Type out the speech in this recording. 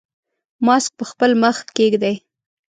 ماسک په خپل مخ کېږدئ.